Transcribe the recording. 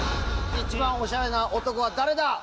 一番おしゃれな男は誰だ？